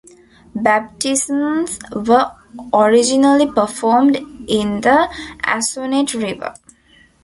Baptisms were originally performed in the Assonet River.